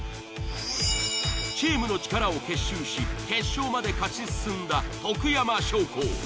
チームの力を結集し決勝まで勝ち進んだ徳山商工。